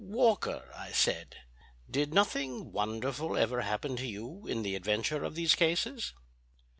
"Walker," I said, "did nothing wonderful ever happen to you in the adventure of these cases?"